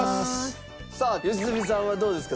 さあ良純さんはどうですか？